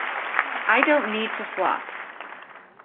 I don't need to flop.